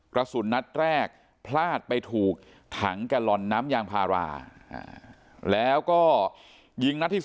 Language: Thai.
กระสุนนัดแรกพลาดไปถูกถังกำลังน้ำยางพาราแล้วก็ยิ่ง